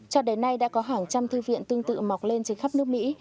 cho đến nay đã có hàng trăm thư viện tương tự mọc lên trên khắp nước mỹ